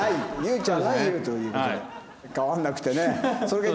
変わんなくてね。